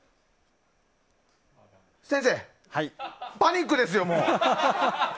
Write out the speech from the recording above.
先生パニックですよ、もう。